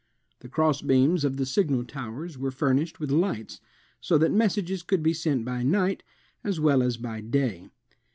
The cross beams of the signal towers were furnished with lights, so that messages could be sent by night as well as by day.